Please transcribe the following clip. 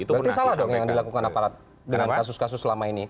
itu mungkin salah dong yang dilakukan aparat dengan kasus kasus selama ini